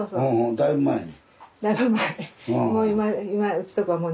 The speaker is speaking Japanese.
だいぶ前に？